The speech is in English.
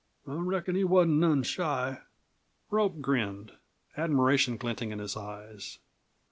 "I reckon he wasn't none shy?" Rope grinned, admiration glinting his eyes.